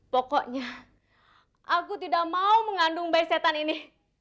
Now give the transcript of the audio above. pokoknya aku tidak mau mengandung by setan ini